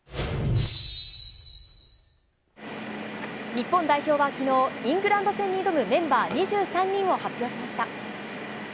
日本代表はきのうイングランド戦に挑むメンバー２３人を発表しました。